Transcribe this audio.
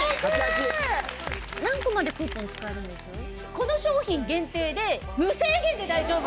この商品限定で無制限で大丈夫。